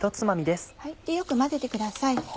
よく混ぜてください。